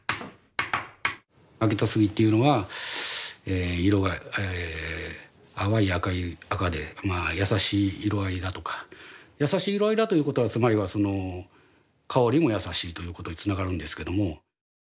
秋田杉というのは色が淡い赤で優しい色合いだとか優しい色合いだということはつまりは香りも優しいということにつながるんですけども。